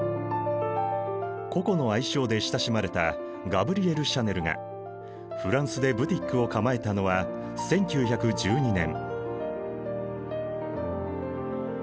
ココの愛称で親しまれたガブリエル・シャネルがフランスでブティックを構えたのは１９１２年。